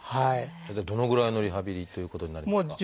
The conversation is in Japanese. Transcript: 大体どのぐらいのリハビリということになりますか？